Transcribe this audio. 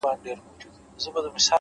اوس خو پوره تر دوو بـجــو ويــښ يـــم;